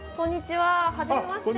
はじめまして。